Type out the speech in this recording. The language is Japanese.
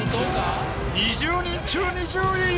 ２０人中２０位。